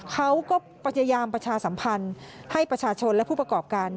เขาก็พยายามประชาสัมพันธ์ให้ประชาชนและผู้ประกอบการ